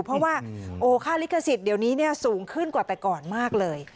เพราะว่าค่าลิขสิทธิ์เดี๋ยวนี้สูงขึ้นกว่าแต่ก่อนมากเลย